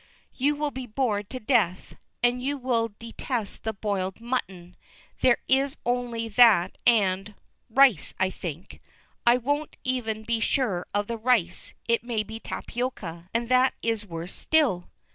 You will be bored to death, and you will detest the boiled mutton. There is only that and rice, I think. I won't even be sure of the rice. It may be tapioca and that is worse still."